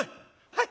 「はい。